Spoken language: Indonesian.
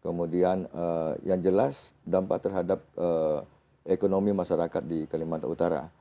kemudian yang jelas dampak terhadap ekonomi masyarakat di kalimantan utara